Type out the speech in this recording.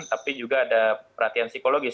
tapi juga ada perhatian psikologis